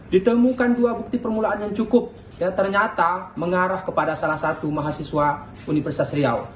ditemukan dua bukti permulaan yang cukup yang ternyata mengarah kepada salah satu mahasiswa universitas riau